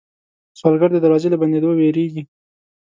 سوالګر د دروازې له بندېدو وېرېږي